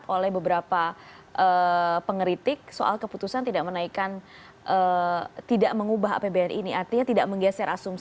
oleh rakyat premium sama solar